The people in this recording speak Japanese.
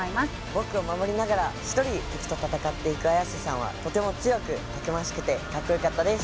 僕を守りながら一人敵と戦っていく綾瀬さんはとても強くたくましくてかっこよかったです